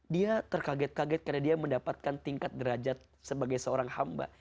dia terkaget kaget karena dia mendapatkan tingkat derajat sebagai seorang hamba